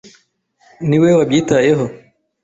niwe wabyitayeho.